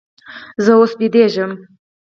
زه اوس بېدېږم.